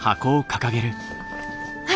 はい！